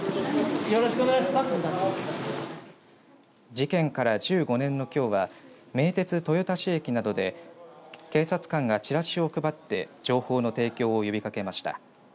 事件から１５年のきょうは名鉄豊田市駅などで警察官がチラシを配って情報の提供を呼びかけました。